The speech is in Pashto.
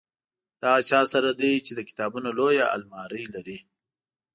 د هغه چا سره دی چې د کتابونو لویه المارۍ لري.